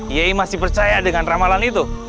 ia masih percaya dengan ramadhan itu